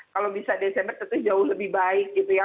kalau bisa desember tentu jauh lebih baik gitu ya